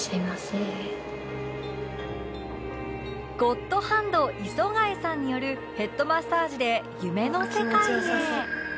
ゴッドハンド磯貝さんによるヘッドマッサージで